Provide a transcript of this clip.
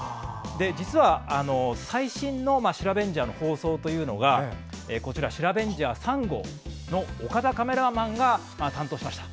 実は、最新のシラベンジャーの放送というのがシラベンジャー３号の岡田カメラマンが担当しました。